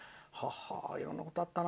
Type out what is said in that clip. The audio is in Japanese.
いろんなことあったな。